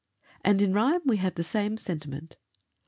And, in rhyme, we have the same sentiment.